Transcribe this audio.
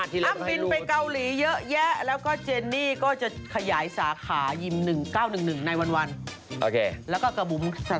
ในช่วงหน้าเดี๋ยวมาดูอ้ำ